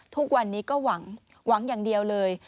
ทุกวันนี้ก็หวังอย่างเดียวเลย